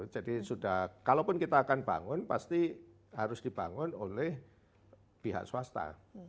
jadi sudah kalaupun kita akan bangun pasti harus dibangun oleh pihak swasta